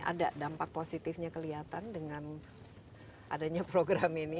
ada dampak positifnya kelihatan dengan adanya program ini